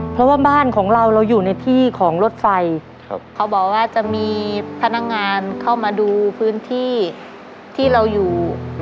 เพราะว่าบ้านของเราเราอยู่ในที่ของรถไฟเขาบอกว่าจะมีพนักงานเข้ามาดูพื้นที่ที่เราอยู่